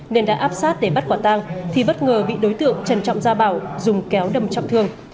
nên đã áp sát để bắt quả tang thì bất ngờ bị đối tượng trần trọng gia bảo dùng kéo đầm trọng thương